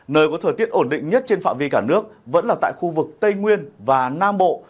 nơi có thời tiết ổn định nhất trên phạm vi cả nước vẫn là tại khu vực tây nguyên và nam bộ